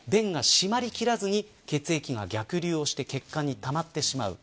弁が閉まりきらずに血液が逆流をして結果たまってしまう。